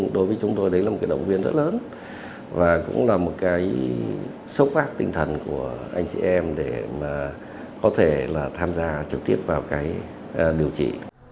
đó là một cái động viên rất lớn và cũng là một cái sốc vác tinh thần của anh chị em để mà có thể là tham gia trực tiếp vào cái điều trị